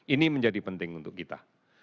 ini menjadi penting untuk kita